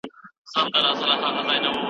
موږ همدا اوس د سیاستپوهنې پر مانا بحث کوو.